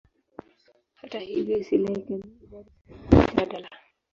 Hata hivyo, istilahi kamili bado suala la mjadala.